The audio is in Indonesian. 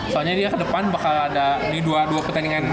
soalnya dia ke depan bakal ada dua pertandingan